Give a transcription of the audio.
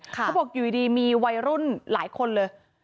เขาบอกอยู่ดีมีวัยรุ่นหลายคนเลย